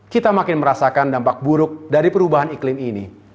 kita makin merasakan dampak buruk dari perubahan iklim ini